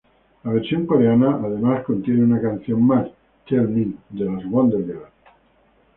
La versión coreana, además, contiene una canción mas, "Tell Me" de las Wonder Girls.